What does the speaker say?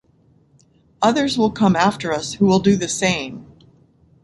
Others will come after us who will do the same.